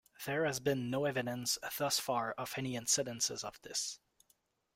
There has been no evidence thus far of any incidences of this.